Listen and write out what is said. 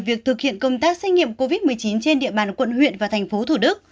việc thực hiện công tác xét nghiệm covid một mươi chín trên địa bàn quận huyện và thành phố thủ đức